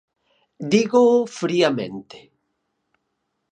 Dígoo friamente.